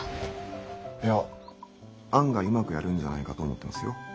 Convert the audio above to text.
いや案外うまくやるんじゃないかと思ってますよ。